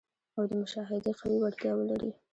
او د مشاهدې قوي وړتیا ولري.